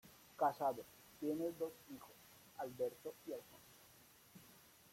Casado, tiene dos hijos, Alberto y Alfonso.